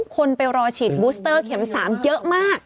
คนไปรอฉีดบูสเตอร์เข็ม๓เยอะมาก